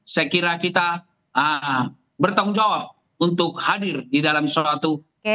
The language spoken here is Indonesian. saya kira kita bertanggung jawab untuk hadir di dalam suatu